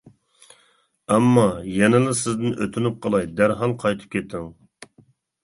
ئەمما، يەنىلا سىزدىن ئۆتۈنۈپ قالاي، دەرھال قايتىپ كېتىڭ.